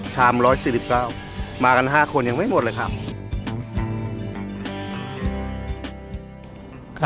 ชามร้อยสี่สิบเก้ามากันห้าคนยังไม่หมดเลยครับ